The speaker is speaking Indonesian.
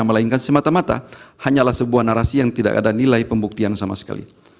melainkan semata mata hanyalah sebuah narasi yang tidak ada nilai pembuktian sama sekali